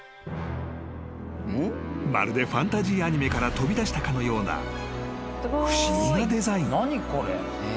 ［まるでファンタジーアニメから飛び出したかのような不思議なデザイン］